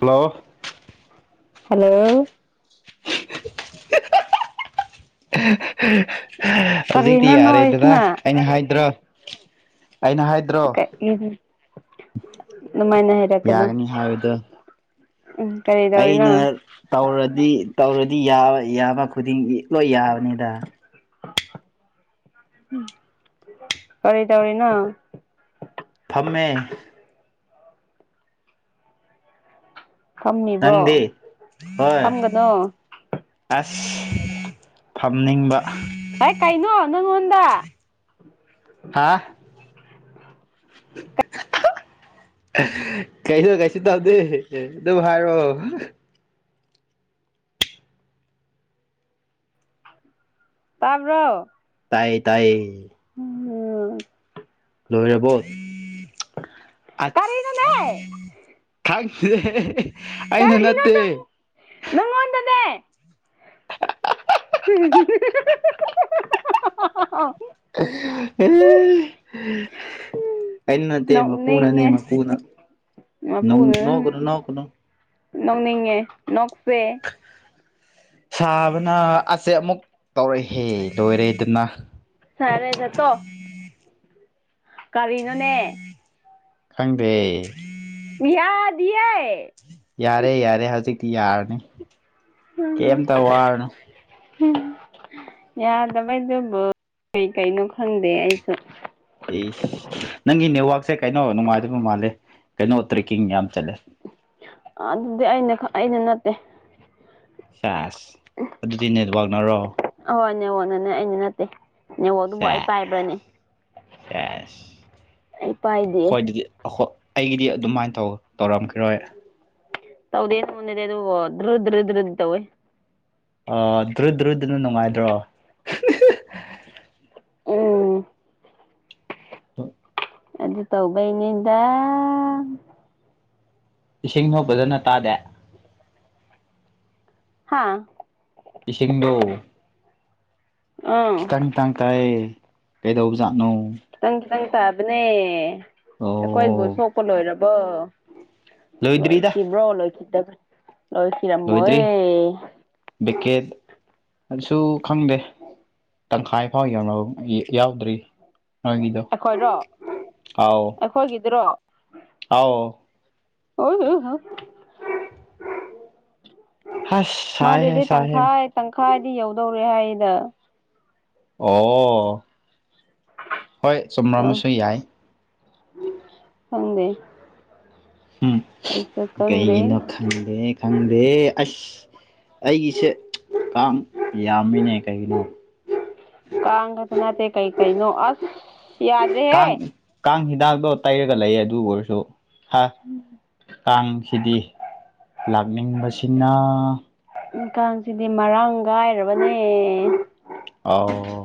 Hello hello [unintelligible] ꯍꯧꯖꯤꯛꯇꯤ ꯀꯔꯤꯅꯣ ꯌꯥꯔꯦꯗꯅ ꯅꯣꯛꯏꯁꯤꯅ ꯑꯩꯅ ꯍꯥꯏꯗ꯭ꯔꯣ ꯑꯩꯅ ꯍꯥꯏꯗ꯭ꯔꯣ ꯑꯗꯨꯃꯥꯏꯅ ꯍꯥꯏꯔꯛꯀꯅꯣ ꯌꯥꯒꯅꯤ ꯍꯥꯏꯕꯗꯣ ꯑꯩꯅ ꯇꯧꯔꯗꯤ ꯇꯧꯔꯗꯤ ꯌꯥꯕ ꯈꯨꯗꯤꯡꯒꯤ ꯂꯣꯏ ꯌꯥꯕꯅꯤꯗ ꯀꯔꯤ ꯇꯧꯔꯤꯅ ꯑꯃꯦ ꯐꯝꯃꯤꯕꯣ ꯅꯪꯗꯤ ꯍꯣꯏ ꯐꯝꯒꯅꯣ ꯐꯝꯅꯤꯡꯕ ꯍꯥꯏ ꯀꯩꯅꯣ ꯅꯪꯉꯣꯟꯗ [inaudible] ꯀꯩꯁꯨ ꯀꯩꯁꯨ ꯇꯧꯗꯦ ꯑꯗꯨꯝ ꯍꯥꯏꯔꯣ ꯇꯕ꯭ꯔꯣ ꯇꯥꯏꯌꯦ ꯇꯥꯏꯌꯦ ꯑꯣꯝ ꯂꯣꯏꯔꯔꯕꯣ ꯑ ꯀꯔꯤꯅꯣꯅꯦ ꯊ ꯑꯩꯅ ꯀꯔꯤꯅꯣ ꯅꯠꯇꯦ ꯅꯪ ꯍ ꯎꯝ ꯏꯟꯅ ꯇꯃ ꯄ ꯄꯨꯅ ꯅꯣꯛꯅꯤꯡꯉꯦ ꯅꯃ ꯄ ꯄꯨꯅ ꯅ ꯅꯣꯀꯅꯣ ꯅꯣꯀꯅꯨ ꯅꯅꯤꯡꯉ ꯅꯣꯛꯁꯦ ꯁꯥꯕꯅ ꯑꯁꯦ ꯑꯃꯨꯛ ꯇꯧꯔꯛꯍꯦ ꯂꯣꯏꯔꯦ ꯑꯗꯨꯅ ꯁꯔꯦ ꯆꯠꯇ ꯀꯔꯤꯅꯣꯅꯦ ꯈꯪꯗꯦ ꯄꯍꯗꯤꯌꯦ ꯌꯥꯔꯦ ꯌꯥꯔꯦ ꯍꯧꯖꯤꯛꯇꯤ ꯌꯥꯔꯅꯤ ꯀꯩꯝꯇ ꯋꯥꯔꯅꯤ ꯌꯥꯗꯕꯩꯗꯨꯕꯨ ꯀꯔꯤ ꯀꯩꯅꯣ ꯈꯪꯗꯦ ꯑꯩꯁꯨ ꯑꯦ ꯅꯪꯒꯤ ꯅꯦꯠꯋꯥꯛꯁꯦ ꯀꯩꯅꯣ ꯅꯨꯡꯉꯥꯏꯗꯕ ꯃꯥꯜꯂꯦ ꯀꯩꯅꯣ ꯑꯣꯇ ꯀ ꯌꯥꯝ ꯆꯂꯦ ꯑꯗꯨꯗꯤ ꯑꯩꯅ ꯑꯩꯅ ꯅꯠꯇꯦ ꯆꯁ ꯑꯗꯨꯗꯤ ꯅꯦꯠꯋꯥꯛꯅꯔꯣ ꯅꯦꯋꯣꯅꯅꯦ ꯑꯩꯩꯅ ꯅꯠꯇꯦ ꯅꯦꯋꯣꯗꯨꯕꯨ ꯑꯩ ꯁꯦꯁ ꯄꯥꯏꯕ꯭ꯔꯅꯦ ꯑꯩ ꯄꯥꯏꯗꯦ ꯍꯣꯏ ꯑꯗꯨꯗꯤꯏ ꯑꯩꯒꯤꯗꯤ ꯑꯗꯨꯃꯥꯏꯅ ꯇꯧꯔꯝꯈꯤꯔꯣꯏ ꯇꯥꯎꯗꯦꯅ ꯃꯟꯗ ꯑꯗꯨꯣ ꯗ ꯏ ꯇꯋꯦ ꯑ ꯗ꯭ꯔꯨ ꯗ꯭ꯔꯨꯗꯨꯅ ꯅꯨꯡꯉꯥꯏꯗ꯭ꯔꯣ ꯑ ꯑ ꯑꯗꯨ ꯇꯧꯕꯩꯅꯦꯗꯥ ꯏꯁꯤꯡꯅꯣ ꯐꯖꯅ ꯇꯥꯗꯦ ꯍꯥꯥ ꯏꯁꯤꯡꯗꯣ ꯑꯪ ꯈꯤꯇꯪ ꯈꯤꯇꯪ ꯇꯥꯏꯌꯦ ꯀꯩꯗꯧꯕ ꯖꯥꯠꯅꯣ ꯈꯤꯇꯪ ꯈꯤꯇꯪ ꯇꯥꯕꯅꯦ ꯑꯩꯈꯣꯏꯕꯨ ꯑꯣ ꯁꯣꯛꯄ ꯂꯣꯏꯔꯕꯣ ꯂꯣꯏ ꯂꯣꯏꯗ꯭ꯔꯤꯗ ꯀꯕ꯭ꯔꯣ ꯂꯣꯏꯈꯤ ꯇ ꯏꯇ꯭ꯔꯤ ꯕꯤꯀꯦꯠ ꯑꯗꯨꯁꯨ ꯈꯪꯗꯦ ꯇꯪꯈꯥꯏ ꯐꯥꯎ ꯌꯧꯅꯕ ꯌꯥꯎꯗ꯭ꯔꯤ ꯍꯥꯏꯗꯣ ꯑꯩꯈꯣꯏꯔꯣ ꯍꯥꯎ ꯑꯩꯈꯣꯏꯒꯤꯗꯨꯔꯣ ꯑꯥꯎ ꯑꯣꯏ ꯑꯁ ꯁꯥꯏꯍꯦ ꯃꯥꯗꯤ ꯁꯥꯏꯍꯦ ꯇꯪꯈꯥ ꯇꯪꯈꯥꯗꯤ ꯌꯧꯗꯧ ꯔꯤꯍꯥꯏꯗ ꯑꯣ ꯍꯣꯏ ꯆꯨꯝꯕꯥ ꯑ ꯑꯃꯁꯨ ꯌꯥꯏ ꯈꯪꯗꯦ ꯎꯝ ꯑꯩꯁꯨ ꯈꯪꯗꯦ ꯀꯩꯒꯤꯅꯣ ꯈꯪꯗꯦ ꯈꯪꯗꯦ ꯑꯁ ꯑꯩꯒꯤꯁꯦ ꯀꯥꯡ ꯌꯥꯝꯃꯤꯅꯦ ꯀꯩꯒꯤꯅꯣ ꯁꯅꯇꯦ ꯀꯩ ꯀꯩ ꯅꯣ ꯑꯁ ꯀꯥꯡ ꯌꯥꯗ꯭ꯔꯦꯍꯦ ꯀꯥꯡ ꯍꯤꯗꯥꯛꯇꯣ ꯇꯩꯔꯒ ꯂꯩ ꯑꯗꯨ ꯑꯣꯏꯔꯁꯨ ꯍꯥ ꯀꯥꯡꯁꯤꯗꯤ ꯂꯥꯛꯅꯤꯡꯕꯁꯤꯅ ꯀꯥꯡꯁꯤꯗꯤ ꯃꯔꯥꯡ ꯀꯥꯏꯔꯕꯅꯦ ꯑꯥꯎ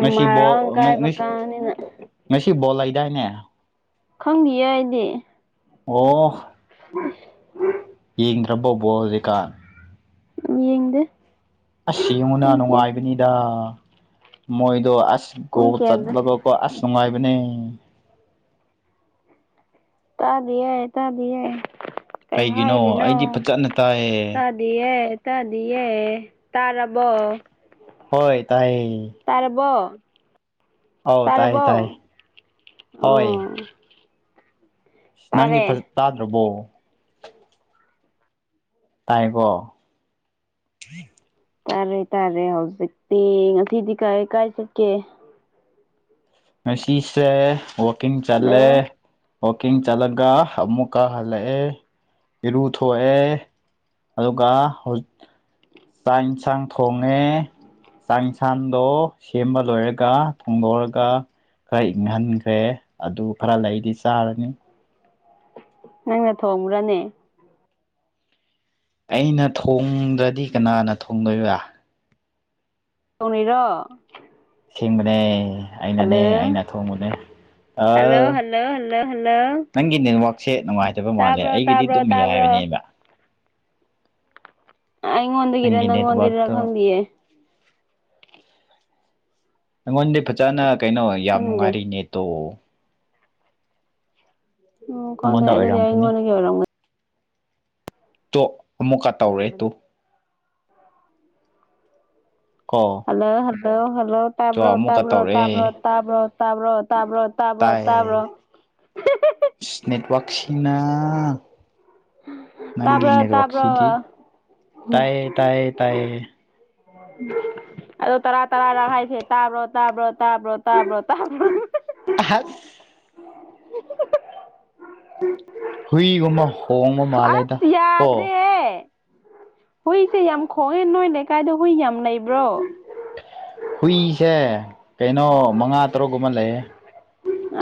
ꯉꯁꯤ ꯕꯣꯜ ꯃꯔꯥꯡ ꯉ ꯀꯥꯏꯕ ꯉꯁꯤ ꯀꯥꯡꯅꯤꯅ ꯉꯁꯤ ꯕꯣꯜ ꯂꯩ ꯗꯥꯏꯅꯦ ꯈꯪꯗꯤꯌꯦ ꯑꯩꯗꯤ ꯑꯣ ꯑꯁ ꯌꯦꯡꯗ꯭ꯔꯕꯣ ꯕꯣꯜ ꯍꯧꯖꯤꯛꯀꯥꯟ ꯌꯦꯡꯗꯦ ꯑꯁ ꯌꯦꯡꯉꯨꯅ ꯄꯨꯡ ꯀꯌꯥ ꯅꯨꯡꯉꯥꯏꯕꯅꯤꯗ ꯃꯣꯏꯗꯣ ꯑꯁ ꯄꯨꯡ ꯒꯣꯜ ꯀꯌꯥꯗ ꯆꯟꯕꯒꯀꯣ ꯑꯁ ꯅꯨꯡꯉꯥꯏꯕꯅꯦ ꯇꯥꯗꯤꯌꯦ ꯇꯥꯗꯤꯌꯦ ꯀꯩ ꯀꯩꯒꯤꯅꯣ ꯍꯥꯏꯔꯤꯅꯣ ꯑꯩꯗꯤ ꯐꯖꯅ ꯇꯥꯏꯌꯦ ꯇꯥꯗꯤꯌꯦ ꯇꯥꯗꯤꯌꯦ ꯇꯥꯔꯕꯣ ꯍꯣꯏ ꯇꯥꯏꯌꯦ ꯇꯥꯔꯕꯣ ꯑꯧ ꯇꯥꯏ ꯇꯥꯔꯕꯣ ꯇꯥꯏ ꯍꯣꯏ ꯑꯣ ꯅꯪꯒꯤ ꯇꯥꯔꯦ ꯐꯖ ꯇꯥꯗ꯭ꯔꯕꯣ ꯇꯥꯏꯀꯣ ꯇꯥꯔꯦ ꯇꯥꯔꯦ ꯍꯧꯖꯤꯛꯇꯤ ꯉꯁꯤꯗꯤ ꯀꯥꯏ ꯀꯥꯏ ꯆꯠꯀꯦ ꯉꯁꯤꯁꯦ ꯋꯥꯀꯤꯡ ꯆꯠꯂꯦ ꯍꯜꯂꯣ ꯋꯀꯤꯡ ꯆꯠꯂꯒ ꯑꯃꯨꯛꯀ ꯍꯜꯂꯛꯑꯦ ꯏꯔꯨ ꯊꯣꯛꯑꯦ ꯑꯗꯨꯒ ꯍꯧꯖꯤꯛ ꯆꯥꯛ ꯏꯟꯁꯥꯡ ꯊꯣꯡꯉꯦ ꯆꯥꯛ ꯏꯟꯁꯥꯡꯗꯣ ꯁꯦꯝꯕ ꯂꯣꯏꯔꯒ ꯊꯣꯡꯗꯣꯛꯔꯒ ꯈꯔ ꯏꯪꯍꯟꯈ꯭ꯔꯦ ꯑꯗꯨ ꯈꯔ ꯂꯩꯗꯤ ꯆꯥꯔꯅꯤ ꯅꯪꯅ ꯊꯣꯡꯕ꯭ꯔꯅꯦ ꯑꯩꯅ ꯊꯣꯡꯗ꯭ꯔꯗꯤ ꯀꯅꯥꯅ ꯊꯣꯡꯗꯣꯏꯔꯥ ꯊꯣꯡꯂꯤꯔꯣ ꯁꯦꯡꯕꯅꯦ ꯑꯩꯅꯅꯦ ꯑꯩꯅ ꯊꯣꯡꯕꯅꯦ ꯍꯜꯂꯣ ꯍꯜꯂꯣ ꯍꯜꯂꯣ ꯍꯜꯂꯣ [unintelligible] ꯅꯪꯒꯤ ꯅꯦꯠꯋꯥꯛꯁꯦ ꯅꯨꯡꯉꯥꯏꯇꯕ ꯃꯥꯜꯂꯦ ꯇꯥꯕ꯭ꯔꯣ ꯑꯩꯒꯤꯗꯤ ꯇꯥꯕ꯭ꯔꯣ ꯑꯗꯨꯝ ꯇꯥꯕ꯭ꯔꯣ ꯌꯥꯏꯕꯅꯦꯕ [unintelligible] ꯑꯩꯉꯣꯟꯗꯒꯤꯔ ꯅꯪꯒꯤ ꯅꯪꯉꯣꯟꯗꯩꯔ ꯅꯦꯠꯋꯥꯛꯇꯣ ꯈꯪꯗꯦꯌꯦ ꯑꯩꯉꯣꯟꯗꯤ ꯐꯖꯅ ꯀꯩꯅꯣ ꯌꯥꯝ ꯈꯪꯗꯦ ꯅꯨꯡꯉꯥꯏꯔꯤ ꯅꯦꯠꯇꯣ ꯎꯝ ꯈꯪꯗꯦ ꯑꯩꯉꯣꯟꯗ ꯑꯗꯨꯗꯤ ꯑꯣꯏꯔꯝꯈꯤꯅꯤ ꯑꯩꯉꯣꯟꯗꯒꯤ ꯑꯣꯏꯔꯝꯒ ꯇꯣ ꯑꯃꯨꯛꯀ ꯇꯧꯔꯦ ꯇꯨ ꯑꯣꯏꯔꯝꯒꯅꯤ ꯀꯣ ꯍꯜꯂꯣ ꯍꯜꯂꯣ ꯍ ꯂꯣ ꯆꯣ ꯇꯥꯕ꯭ꯔꯣ ꯑꯃꯨꯛꯀ ꯇꯥꯕ꯭ꯔꯣ ꯇꯧꯔꯦ ꯇꯥꯕ꯭ꯔꯣ ꯇꯥꯕ꯭ꯔꯣ ꯇꯥꯕ꯭ꯔꯣ ꯇꯥꯕ꯭ꯔꯣ ꯇꯥꯕ꯭ꯔꯣ ꯇꯥꯏ ꯇꯥꯕ꯭ꯔꯣ ꯑꯁ [unintelligible] [unintelligible] ꯅꯪꯒꯤ ꯇꯥꯕ꯭ꯔꯣ ꯅꯦꯠ ꯇꯥꯕ꯭ꯔꯣ ꯋꯥꯥꯛꯁꯤꯗꯤ ꯇꯥꯏꯌꯦ ꯇꯥꯏꯌꯦ ꯇꯥꯏꯌꯦ [unintelligible] ꯑꯗꯨꯗꯣ ꯇꯔꯥ ꯇꯔꯥ ꯔꯛ ꯍꯥꯏꯁꯦ ꯇꯥꯕ꯭ꯔꯣ ꯇꯥꯕ꯭ꯔꯣ ꯇꯥꯕ꯭ꯔꯣ ꯇꯥꯕ꯭ꯔꯣ ꯇꯥꯕ꯭ꯔꯣ ꯑꯁ ꯍꯨꯏꯒꯨꯝꯕ ꯍꯣꯡꯕ ꯃꯥꯜꯂꯦꯗ ꯑꯁ ꯀꯣ ꯌꯥꯗꯔꯦꯍꯦ ꯍꯨꯏꯁꯦ ꯌꯥꯝ ꯈꯣꯡꯉꯦ ꯅꯣꯏ ꯂꯩꯀꯥꯏꯗ ꯍꯨꯏ ꯌꯥꯝ ꯂꯩ ꯍꯨꯏꯁꯦ ꯀꯩꯅꯣ ꯃꯉꯥ ꯇꯔꯨꯛꯀꯨꯝꯕ ꯂꯩꯌꯦ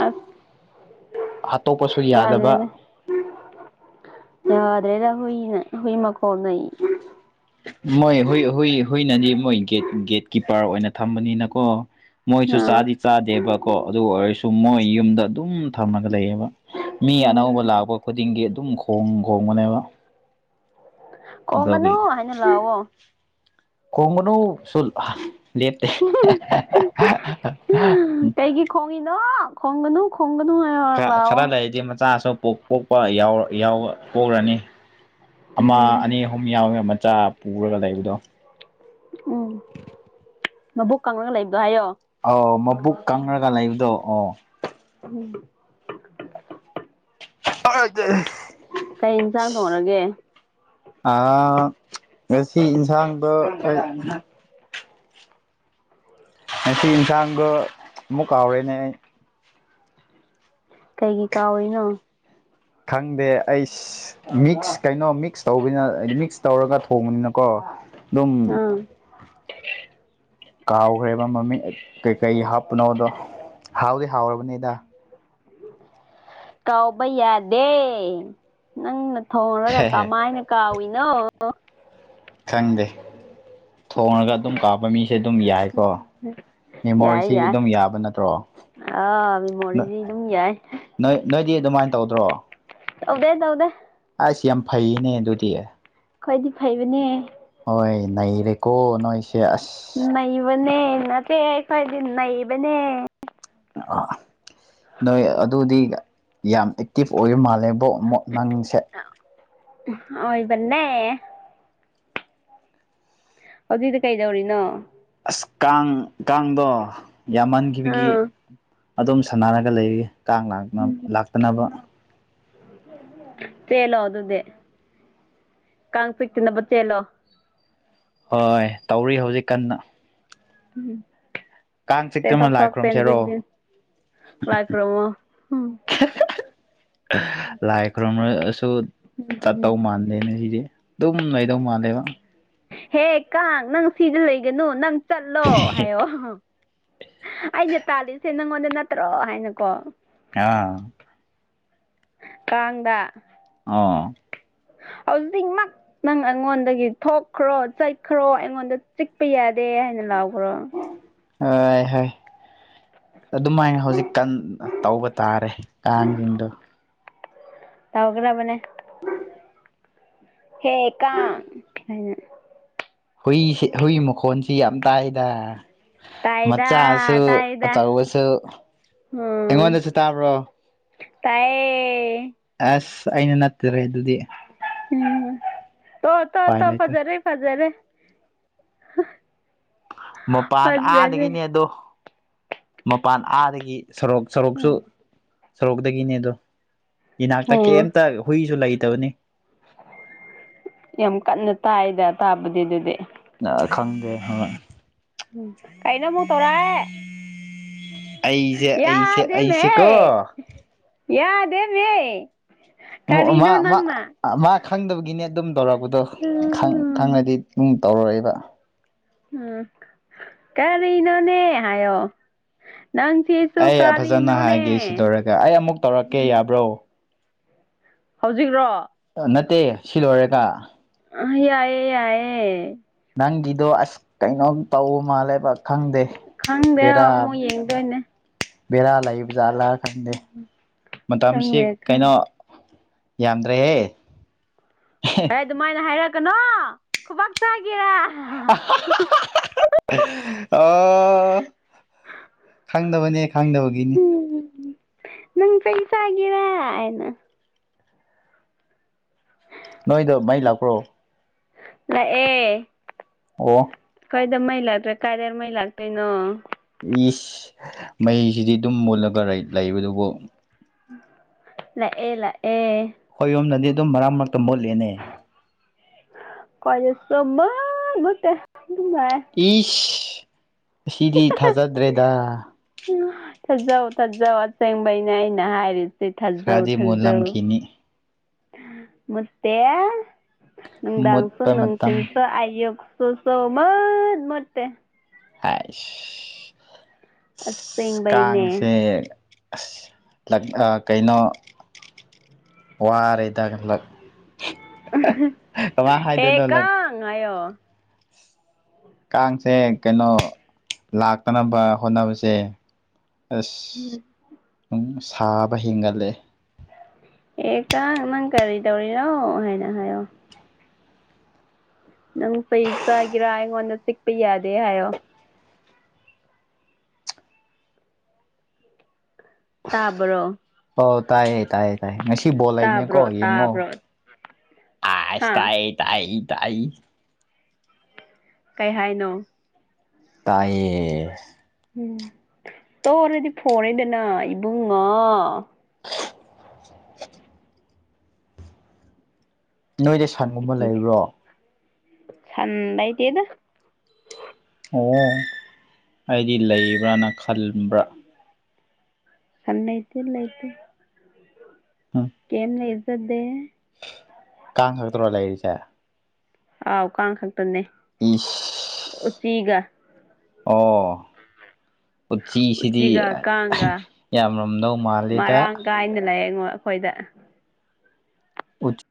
ꯑꯁ ꯑꯇꯣꯞꯄꯁꯨ ꯌꯥꯗꯕ ꯃꯅꯦꯅꯦ ꯌꯥꯗ꯭ꯔꯦꯗ ꯍꯨꯏ ꯍꯨꯏꯃꯀꯣꯅꯩ ꯃꯣꯏ ꯍꯨꯏ ꯍꯨꯏ ꯍꯨꯏꯅꯗꯤ ꯃꯣꯏ ꯒꯦ ꯒꯦꯠꯀꯤꯄꯔ ꯑꯣꯏꯅ ꯊꯝꯕꯅꯤꯅꯀꯣ ꯃꯣꯏꯁꯨ ꯑꯥ ꯆꯥꯗꯤ ꯆꯥꯗꯦꯕꯀꯣ ꯑꯗꯨ ꯑꯣꯏꯔꯁꯨ ꯃꯣꯏ ꯌꯨꯝꯗ ꯑꯗꯨꯝ ꯊꯝꯃꯒ ꯂꯩꯌꯦꯕ ꯃꯤ ꯑꯅꯧꯕ ꯎꯝ ꯂꯥꯛꯄ ꯈꯨꯗꯤꯡꯒꯤ ꯑꯗꯨꯝ ꯈꯣꯡ ꯈꯣꯡꯕꯅꯦꯕ ꯈꯣꯡꯒꯅꯨ ꯍꯥꯏꯅ ꯂꯥꯎꯋꯣ ꯈꯣꯡꯒꯅꯨ ꯁꯨꯜ ꯂꯦꯞꯇꯦ ꯀꯩꯒꯤ ꯈꯣꯡꯉꯤꯅꯣ ꯈꯣꯡꯒꯅꯨ ꯈꯣ ꯈꯔ ꯈꯔ ꯂꯩꯔꯗꯤ ꯃꯆꯥꯁꯨꯣ ꯄꯣꯛ ꯄꯣꯛꯄ ꯌꯥꯎꯔ ꯄꯣꯛꯔꯅꯤ ꯑꯃ ꯎꯝ ꯑꯅꯤ ꯑꯍꯨꯝ ꯌꯥꯎꯋꯦ ꯆꯥ ꯄꯨꯔꯒ ꯂꯩꯕꯗꯣ ꯎꯝ ꯃꯕꯣꯛ ꯀꯪꯂꯒ ꯂꯩꯕꯗꯣ ꯍꯥꯏꯌꯣ ꯑꯣ ꯃꯕꯨꯛ ꯀꯪꯔꯒ ꯂꯩꯕꯗꯣ ꯑꯣ ꯎꯝ ꯀꯩ ꯏꯟꯁꯥꯡ ꯊꯣꯡꯔꯒꯦ ꯑ ꯉꯁꯤ ꯏꯟꯁꯥꯡꯗꯣ ꯈꯣꯏ ꯉꯁꯤ ꯌꯦꯟꯁꯥꯡꯗꯣ ꯑꯃꯨꯛ ꯀꯥꯎꯔꯦꯅꯦ ꯑꯩ ꯀꯩꯒꯤ ꯀꯥꯎꯏꯅꯣ ꯈꯪꯗꯦ ꯑꯩꯁ ꯃꯤꯛꯁ ꯀꯩꯅꯣ ꯃꯤꯛꯁ ꯇꯧꯕꯅꯤꯅ ꯃꯤꯛꯁ ꯇꯧꯔꯒ ꯊꯣꯡꯕꯅꯤꯅꯀꯣ ꯗꯝ ꯑꯥ ꯀꯥꯎꯈ꯭ꯔꯦꯕ ꯃꯃꯤꯡ ꯀꯩꯀꯩ ꯍꯥꯞꯄꯅꯣꯗꯣ ꯍꯥꯎꯗꯤ ꯍꯥꯎꯔꯕꯅꯦꯗ ꯀꯥꯎꯕ ꯌꯥꯗꯦ ꯅꯪꯅ ꯊꯣꯡꯡꯂꯒ ꯍꯦ ꯍꯦ ꯀꯃꯥꯏꯅ ꯀꯥꯎꯏꯅꯣ ꯑꯣ ꯈꯪꯗꯦ ꯊꯣꯡꯉꯒ ꯑꯗꯨꯝ ꯀꯥꯎꯄ ꯃꯤꯁꯦ ꯑꯗꯨꯝ ꯌꯥꯏꯀꯣ ꯌꯥꯏ ꯃꯦꯃꯣꯔꯤꯁꯤ ꯌꯥꯏ ꯑꯗꯨꯝ ꯌꯥꯕ ꯅꯠꯇ꯭ꯔꯣ ꯑꯥ ꯃꯦꯃꯣꯔꯤꯗꯤ ꯑꯗꯨꯝ ꯌꯥꯏ ꯅꯣꯏ ꯅꯣꯏ ꯗꯤ ꯑꯗꯨꯃꯥꯏꯅ ꯇꯧꯗ꯭ꯔꯣ ꯇꯧꯗꯦ ꯇꯧꯗꯦ ꯍꯥꯏꯁ ꯌꯥꯝ ꯐꯩꯌꯦꯅꯦ ꯑꯗꯨꯗꯤ ꯈꯣꯏꯗꯤ ꯐꯩꯕꯅꯦ ꯍꯣꯏ ꯅꯩꯔꯦꯀꯣ ꯅꯣꯏꯁꯦ ꯑꯁ ꯅꯩꯕꯅꯦ ꯅꯠꯇꯦ ꯑꯩꯈꯣꯏꯗꯤ ꯅꯩꯕꯅꯦ ꯑ ꯅꯣꯏ ꯑꯗꯨꯗꯤ ꯌꯥꯝ ꯑꯦꯛꯇꯤꯚ ꯑꯣꯏꯕ ꯃꯥꯜꯂꯦꯕꯣ ꯑꯃꯨꯛ ꯅꯡꯁꯦ ꯑꯣꯏꯕꯅꯦ ꯑꯗꯨꯏꯗꯤ ꯀꯩꯗꯧꯔꯤꯅꯣ ꯑꯁ ꯀꯥꯡ ꯀꯥꯡꯗꯣ ꯌꯥꯝꯃꯟꯈꯤꯕꯒꯤ ꯑꯥ ꯑꯗꯨꯝ ꯁꯥꯟꯅꯔꯒ ꯂꯩꯔꯦ ꯀꯥꯡ ꯂꯥꯛꯅ ꯂꯥꯛꯇꯅꯕ ꯇꯦꯂꯣ ꯑꯗꯨꯗꯦ ꯀꯥꯡ ꯆꯤꯛꯇꯅꯕ ꯆꯦꯜꯂꯣ ꯍꯣꯏ ꯇꯧꯔꯤ ꯍꯧꯖꯤꯛ ꯀꯟꯅ ꯀꯥꯡ ꯆꯤꯛꯇꯅ ꯂꯥꯏ ꯈꯨꯔꯨꯝꯁꯦꯔꯣ [unintelligible] ꯂꯥꯏ ꯈꯨꯔꯝꯃꯣ ꯂꯥꯏ ꯈꯨꯔꯨꯝꯔꯁꯨ ꯆꯠꯇꯧ ꯃꯥꯟꯗꯦꯅꯦ ꯁꯤꯗꯤ ꯑꯗꯨꯝ ꯂꯩꯗꯧ ꯃꯥꯟꯂꯦꯕ ꯍꯦ ꯀꯥꯡ ꯅꯪ ꯁꯤꯗ ꯂꯩꯒꯅꯨ ꯅꯪ ꯆꯠꯂꯣ ꯍꯥꯏꯌꯣ ꯑꯩꯅ ꯇꯥꯜꯂꯤꯁꯦ ꯅꯪꯉꯣꯟꯗ ꯅꯠꯇ꯭ꯔꯣ ꯍꯥꯏꯅꯀꯣ ꯑꯥ ꯀꯥꯡꯗ꯫ ꯑꯥ ꯍꯧꯖꯤꯛꯃꯛ ꯅꯪ ꯑꯩꯉꯣꯟꯗꯒꯤ ꯊꯣꯛꯈ꯭ꯔꯣ ꯆꯠꯈ꯭ꯔꯣ ꯑꯩꯉꯣꯟꯗ ꯆꯤꯛꯄ ꯌꯥꯏ ꯗꯦ ꯍꯥꯏꯅ ꯂꯥꯎꯈ꯭ꯔꯣ꯫ ꯍꯣꯏ ꯍꯣꯏ ꯑꯗꯨꯃꯥꯏ ꯍꯧꯖꯤꯛ ꯀꯟ ꯇꯧꯕ ꯇꯥꯔꯦ ꯀꯥꯡꯗꯣ꯫ ꯇꯧꯒ꯭ꯔꯕꯅꯦ꯫ ꯍꯦ ꯀꯥꯡ ꯍꯥꯏꯅ꯫ ꯍꯨꯏꯁꯤ ꯍꯨꯏ ꯃꯈꯣꯟꯁꯤ ꯌꯥꯝ ꯇꯥꯏꯗ꯫ ꯇꯥꯏꯗ ꯃꯆꯥꯁꯨ ꯇꯥꯏꯗ ꯑꯆꯧꯕꯁꯨ꯫ ꯎꯝ ꯑꯩꯉꯣꯟꯗꯁꯨ ꯇꯥꯕ꯭ꯔꯣ? ꯇꯥꯏꯌꯦ꯫ ꯑꯁ ꯑꯩꯅ ꯅꯠꯇꯔꯦ ꯗꯨꯗꯤ꯫ ꯎꯝ ꯇ ꯇ ꯇ ꯂꯩꯇ꯭ꯔꯦ ꯐꯖꯔꯦ ꯐꯖꯔꯦ꯫ [unintelligible] ꯃꯄꯥꯟ ꯐꯖꯔꯦ ꯑꯥꯗꯒꯤꯅꯦ ꯑꯗꯣ ꯃꯄꯥꯟ ꯑꯥꯗꯒꯤ꯫ ꯁꯣꯔꯣꯛ ꯁꯣꯔꯣꯛꯁꯨ ꯎꯝ ꯁꯣꯔꯣꯛꯇꯒꯤꯅꯦ ꯑꯗꯣ ꯏꯅꯥꯛꯇ ꯎꯝ ꯀꯩꯝꯇ ꯍꯨꯏꯁꯨ ꯂꯩ ꯇꯕꯅꯤ ꯌꯥꯝ ꯀꯟꯅ ꯇꯥꯏꯗ ꯇꯥꯕꯗꯤ ꯑꯗꯨꯗꯤ꯫ ꯅ ꯈꯪꯗꯦ ꯍ ꯎꯝ ꯀꯥꯏꯅ ꯃꯨ ꯇꯣꯔꯥꯏ꯫ ꯑꯩꯁꯦ ꯑꯩꯁꯦ ꯌꯥꯗꯦꯝ ꯃꯦ ꯑꯩꯁꯦꯀꯣ ꯌꯥꯗꯦꯝ ꯃꯦ꯫ [unintelligible] ꯈꯪꯗꯕꯒꯤꯅꯦ ꯑꯗꯨꯝ ꯇꯧꯔꯛꯄꯗꯣ ꯈꯪ ꯎꯝ ꯈꯪꯔꯗꯤ ꯗꯨꯝ ꯇꯧꯔꯣꯏꯕ꯫ ꯎꯝ ꯀꯔꯤꯅꯣꯅꯦ ꯍꯥꯏꯌꯣ꯫ ꯅꯪ ꯆꯦꯁꯨ ꯑꯩ ꯐꯖꯅ ꯀꯥꯔꯤꯅꯣꯅꯦ ꯍꯥꯏꯒꯦ ꯁꯤ ꯂꯣꯏꯔꯒ ꯑꯩ ꯑꯃꯨꯛ ꯇꯧꯔꯛꯀꯦ ꯌꯥꯕ꯭ꯔꯣ ꯍꯧꯖꯤꯛꯔꯣ? ꯅꯠꯇꯦ ꯁꯤ ꯂꯣꯏꯔꯦꯒ꯫ ꯑ ꯌꯥꯏꯌꯦ ꯌꯥꯏꯌꯦ꯫ ꯅꯪꯒꯤꯗꯣ ꯑꯁ ꯀꯩꯅꯣꯝ ꯇꯧ ꯃꯥꯜꯂꯦꯕ꯫ ꯈꯪꯗꯦ ꯈꯪꯗꯦ ꯕꯦꯔꯥ ꯑꯃꯨꯛ ꯌꯦꯡꯗꯣꯏꯅꯦ ꯕꯦꯔꯥ ꯂꯩꯥꯕꯖꯥꯂ꯫ ꯈꯪꯗꯦ ꯃꯇꯝꯁꯤ ꯈꯪꯗꯦ ꯀꯩꯅꯣ ꯈꯪꯗꯦ ꯌꯥꯝꯗ꯭ꯔꯦꯍꯦ꯫ ꯑꯦ ꯑꯗꯨꯃꯥꯏꯅ ꯍꯥꯏꯔꯛꯀꯅꯣ ꯈꯨꯕꯥꯛ ꯆꯥꯒꯦꯔꯥ꯫ [unintelligible] ꯑꯣ ꯈꯪꯗꯕꯅꯦ ꯈꯪꯗꯕꯒꯤꯅꯤ꯫ ꯅꯪ ꯆꯩ ꯆꯒꯦꯔ ꯑꯩꯅ꯫ ꯅꯣꯏꯗ ꯃꯩ ꯂꯥꯛꯄ꯭ꯔꯣ? ꯂꯑꯦ꯫ ꯑꯣ ꯈꯣꯏꯗ ꯃꯩ ꯂꯥꯛꯇ꯭ꯔꯦ ꯀꯥꯏꯗ ꯃꯩ ꯂꯥꯛꯇꯣꯏꯅꯣ? ꯏꯁ ꯃꯩꯁꯤꯗꯤ ꯗꯨꯝ ꯃꯨꯠꯂꯒ ꯔꯩ ꯂꯩꯕ ꯗꯨꯕꯨ꯫ ꯂꯥꯑꯦ ꯂꯥꯑꯦ꯫ ꯍꯣꯏ ꯌꯨꯝꯅꯗꯤ ꯑꯗꯨꯝ ꯃꯔꯛ ꯃꯔꯛꯇ ꯃꯨꯠꯂꯦꯅꯦ꯫ [unintelligible] ꯃꯨꯠ ꯃꯨꯠꯇꯦ꯫ ꯑꯗꯨꯝ ꯂꯥꯛꯑꯦ ꯏꯁ ꯑꯁꯤꯗꯤ ꯊꯥꯖꯗ꯭ꯔꯦꯗ꯫ ꯊꯥꯖꯧ ꯊꯥꯖꯧ ꯑꯁꯦꯡꯕꯩꯅ ꯑꯩꯅ ꯍꯥꯏꯔꯤꯁꯦ ꯊꯥꯖꯧ ꯈꯔꯗꯤ ꯊꯥꯖꯧ꯫ ꯃꯨꯜꯂꯝꯈꯤꯅꯤ ꯃꯨꯠꯇꯦ ꯅꯨꯡꯗꯥꯡꯁꯨ ꯃꯨꯠꯄ ꯃꯇꯝ ꯅꯨꯡꯊꯤꯟꯁꯨ ꯑꯌꯨꯛ ꯁꯣ ꯁꯧꯃꯅ ꯃꯠꯇꯦ ꯍꯥꯏ ꯑꯁꯦꯡꯕꯩꯅꯦ ꯀꯥꯡꯁꯦ ꯑꯁ ꯀꯩꯅꯣ ꯋꯥꯔꯦꯗ ꯃ ꯍꯦ ꯍꯥꯏꯗꯅꯣꯂꯛ ꯀꯥꯡ ꯍꯥꯏꯌꯣ ꯀꯥꯡꯁꯦ ꯀꯩꯅꯣ ꯂꯥꯛꯇꯅꯕ ꯍꯣꯠꯅꯕꯁꯦ ꯎꯝ ꯝ ꯁꯥꯕ ꯍꯦꯟꯒꯠꯂꯑꯦ ꯑꯦꯀ ꯅꯪ ꯀꯔꯤ ꯇꯧꯔꯤꯔꯣ ꯍꯥꯏꯅ ꯍꯥꯏꯌꯣ ꯅꯪ ꯐꯩ ꯆꯥꯒꯦꯔꯥ ꯑꯩꯉꯣꯟꯗ ꯆꯤꯛꯄ ꯌꯥꯗꯦ ꯍꯥꯏꯌꯣ ꯇꯥꯕ꯭ꯔꯣ ꯄꯣ ꯇꯥꯏ ꯇꯥꯏꯌꯦ ꯇꯥꯏꯌꯦ ꯉꯁꯤ ꯕꯣꯜ ꯂꯩꯕꯅꯦꯀꯣ ꯇꯥꯕ꯭ꯔꯣ ꯌꯦꯡꯉꯣ ꯇꯥꯕ꯭ꯔꯣ ꯑꯁ ꯍꯥ ꯇꯥꯏꯌꯦ ꯇꯥꯏ ꯇ ꯑꯩ ꯀꯔꯤ ꯍꯥꯏꯅꯣ ꯇꯥꯏꯌꯦ ꯎꯝ ꯇꯧꯔꯗꯤ ꯐꯣꯟꯦꯗꯅ ꯏꯕꯨꯡꯉꯥ ꯅꯣꯏꯗ ꯁꯟꯒꯨꯝꯕ ꯂꯩꯕ꯭ꯔꯣ ꯁꯗꯏꯗꯤꯦꯗ ꯑꯣ ꯑꯩꯗꯤ ꯂꯩꯕ꯭ꯔꯅ ꯈꯟꯕ꯭ꯔꯥ ꯁꯅ ꯑꯥꯏꯇ ꯏꯂꯥꯏꯇ ꯀꯦꯝꯅꯦ ꯏꯖꯖꯠ ꯗꯦ ꯀꯥꯥꯡ ꯇꯂ ꯍꯥꯏ ꯆꯦ ꯑꯥꯎꯀ ꯈꯛꯇꯅꯦ ꯏꯁ ꯎꯆꯤꯒ ꯑꯣ ꯎꯆꯆꯤꯁꯤꯗꯤ ꯎꯆꯤꯒ ꯀꯥꯡꯒ ꯌꯥꯝꯔꯝꯗꯧ ꯃꯥꯜꯂꯤꯦꯗ ꯃꯔꯥꯡ ꯀꯥꯏꯅ ꯂꯩ ꯑꯩꯉꯣꯟ ꯑꯩꯈꯣꯏꯗ ꯎꯆ